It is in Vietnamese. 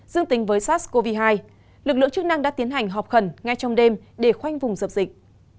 dương tính với sars cov hai lực lượng chức năng đã tiến hành họp khẩn ngay trong đêm để khoanh vùng dập dịch